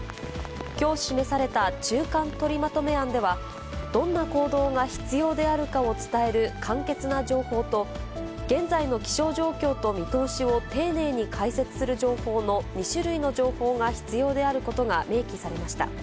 きょう示された中間とりまとめ案では、どんな行動が必要であるかを伝える簡潔な情報と、現在の気象状況と見通しを丁寧に解説する情報の２種類の情報が必要であることが明記されました。